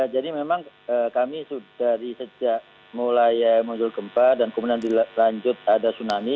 jadi memang kami dari sejak mulai muncul gempa dan kemudian dilanjut ada tsunami